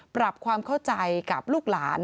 ปรับความเข้าใจกับลูกหลาน